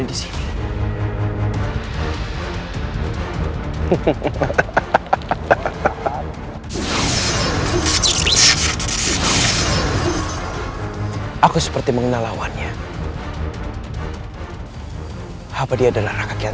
kau tidak apa apa raka